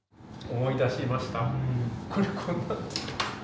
・思い出しました？